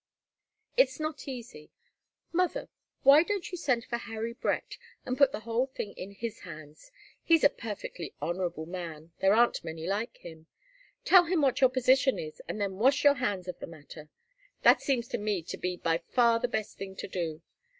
"It's not easy. Mother why don't you send for Harry Brett and put the whole thing in his hands? He's a perfectly honourable man there aren't many like him. Tell him what your position is, and then wash your hands of the matter. That seems to me to be by far the best thing to do.